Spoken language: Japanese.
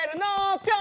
ピョン！